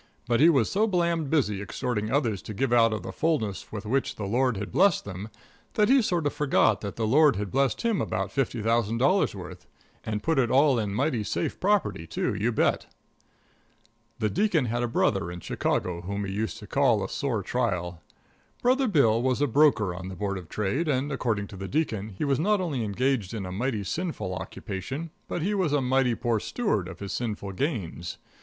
But he was so blamed busy exhorting others to give out of the fullness with which the Lord had blessed them that he sort of forgot that the Lord had blessed him about fifty thousand dollars' worth, and put it all in mighty safe property, too, you bet. The Deacon had a brother in Chicago whom he used to call a sore trial. Brother Bill was a broker on the Board of Trade, and, according to the Deacon, he was not only engaged in a mighty sinful occupation, but he was a mighty poor steward of his sinful gains.